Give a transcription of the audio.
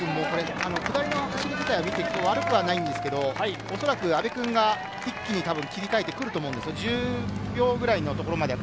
下りの走り自体は悪くないんですけれど、おそらく阿部君が一気に切り替えてくると思うんです。